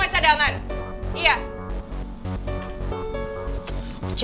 terus aku itu apa